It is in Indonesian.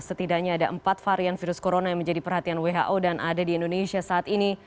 setidaknya ada empat varian virus corona yang menjadi perhatian who dan ada di indonesia saat ini